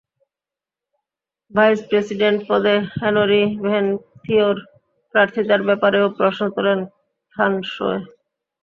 Vice president পদে Henry Van থিওর প্রার্থিতার ব্যাপারেও প্রশ্ন তোলেন থান সোয়ে।